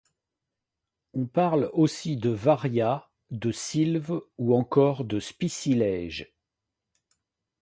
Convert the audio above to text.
On parle aussi de varia, de silves ou encore de spicilège.